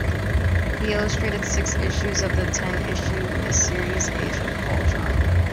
He illustrated six issues of the ten-issue miniseries "Age of Ultron".